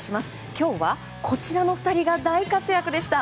今日は、こちらの２人が大活躍でした。